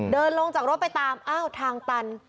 เดินลงจากรถไปตามอ้าวทางตัน